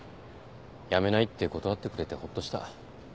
「辞めない」って断ってくれてホッとした。